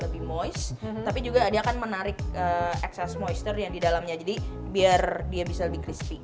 lebih mois tapi juga dia akan menarik excess moister yang di dalamnya jadi biar dia bisa lebih crispy